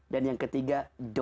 dan yang ketiga